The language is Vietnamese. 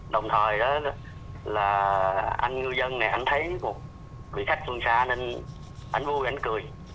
đồng thời đó là anh ngư dân này anh thấy một vị khách phương xa nên anh vui anh cười